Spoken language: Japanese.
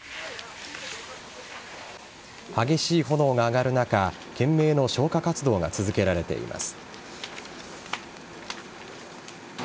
激しい炎が上がる中懸命の消火活動が続けられています。